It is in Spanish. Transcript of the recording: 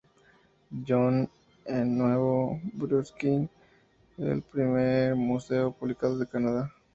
John en Nuevo Brunswick, el primer museo público de Canadá.